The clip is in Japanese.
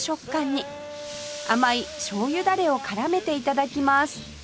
甘いしょうゆダレを絡めて頂きます